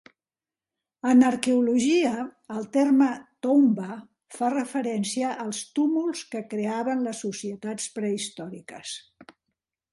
En arqueologia, el terme "toumba" fa referència als túmuls que creaven les societats prehistòriques.